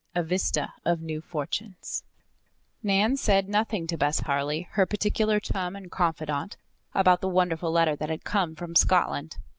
A VISTA OF NEW FORTUNES Nan said nothing to Bess Harley, her particular chum and confidant, about the wonderful letter that had come from Scotland.